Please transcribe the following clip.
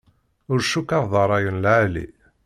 Ur cukkeɣ d rray n lεali.